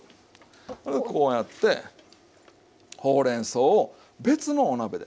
これをこうやってほうれんそうを別のお鍋で。